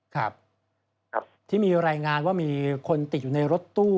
ครับที่มีรายงานว่ามีคนติดอยู่ในรถตู้